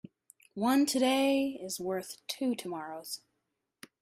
One today is worth two tomorrows.